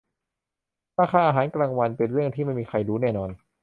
ราคาอาหารกลางวันเป็นเรื่องที่ไม่มีใครรู้แน่นอน